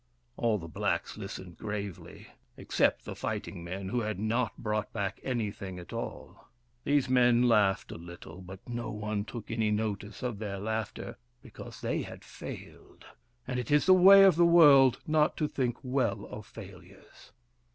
All the blacks listened gravely, except the fight ing men who had not brought back anything at all. These men laughed a little, but no one took any notice of their laughter, because they had failed, and it is the way of the world not to think well of failures.